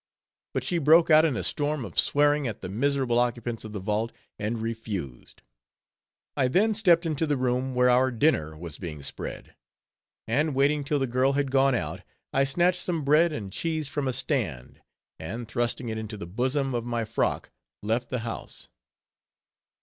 But she broke out in a storm of swearing at the miserable occupants of the vault, and refused. I then stepped into the room where our dinner was being spread; and waiting till the girl had gone out, I snatched some bread and cheese from a stand, and thrusting it into the bosom of my frock, left the house.